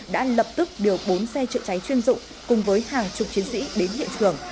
đã lập tức điều bốn xe chữa cháy chuyên dụng cùng với hàng chục chiến sĩ đến hiện trường